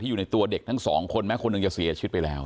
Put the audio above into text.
อยู่ในตัวเด็กทั้งสองคนแม้คนหนึ่งจะเสียชีวิตไปแล้ว